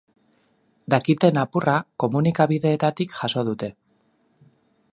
Dakiten apurra komunikabideetatik jaso dute.